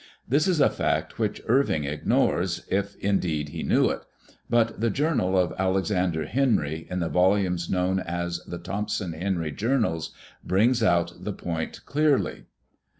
This is a fact which Irving ignores, if in deed he knew it; but the journal of Alexander Henry, in the vol umes known as the Thompson Henry Journals, brings out the point clearly.